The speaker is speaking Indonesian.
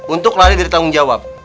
untuk lari dari tanggung jawab